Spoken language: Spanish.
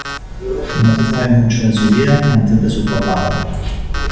No se sabe mucho de su vida antes de su papado.